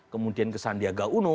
kemudian ke sandiaga uno